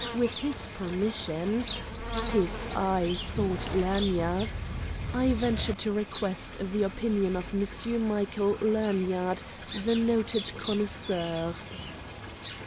With his permission"—his eye sought Lanyard's—"I venture to request the opinion of Monsieur Michael Lanyard, the noted connoisseur!"